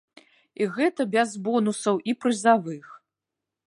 І гэта без бонусаў і прызавых.